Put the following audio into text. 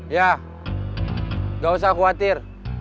ya gak usah khawatir